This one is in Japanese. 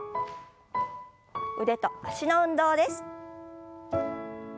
腕と脚の運動です。